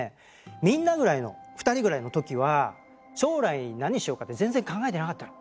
みんなぐらいの２人ぐらいの時は将来何しようかって全然考えてなかったの。